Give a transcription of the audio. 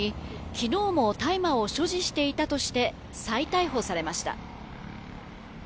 昨日も大麻を所持していたとして再逮捕されました。